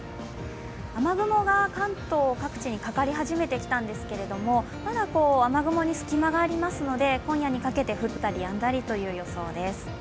雨雲が関東各地にかかり始めてきたんですけれどもまだ雨雲に隙間がありますので、今夜にかけて降ったりやんだりという予想です。